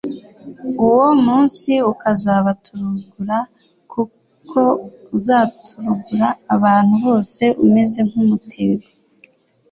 uwo munsi ukazabaturugura, kuko uzaturugura abantu bose umeze nk'umutego.